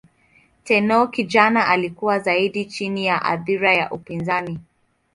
Tenno kijana alikuwa zaidi chini ya athira ya upinzani.